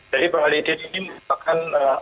jadi pak halidin ini merupakan ayah dari kepala desa